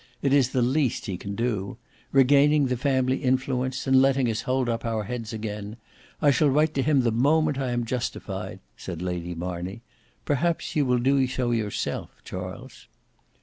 It is the least he can do: regaining the family influence, and letting us hold up our heads again. I shall write to him the moment I am justified," said Lady Marney, "perhaps you will do so yourself, Charles."